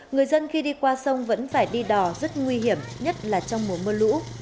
người dân khi đi qua sông vẫn phải đi đò rất nguy hiểm nhất là trong mùa mưa lũ